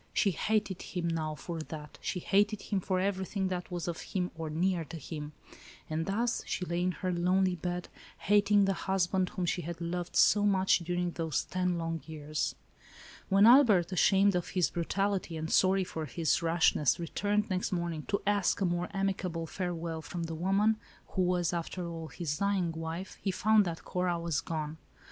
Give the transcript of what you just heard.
She hated him now for that; she hated him for everything that was of him or near to him. And thus' she lay in her lonely bed, hating the husband, whom she had loved so much during those ten long years. When Albert, ashamed of his brutality, and sorry for his rashness, returned next morning to ask a more amicable farewell from the woman, who was, after all, his dying wife, he found that Cora was gone.